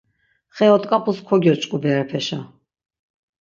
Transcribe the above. Xe ot̆ǩapus kogyoç̌ǩu berepeşa...